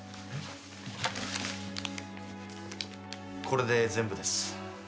これで全部です。